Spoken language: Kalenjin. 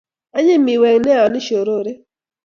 Anyiny miwek nea yan ishorore